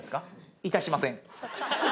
いたしません。